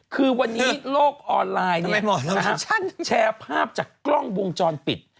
คือวันนี้โลกออนไลน์แชร์ภาพจากกล้องวงจรปิด